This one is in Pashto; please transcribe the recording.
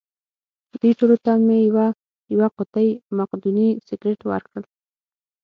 دوی ټولو ته مې یوه یوه قوطۍ مقدوني سګرېټ ورکړل.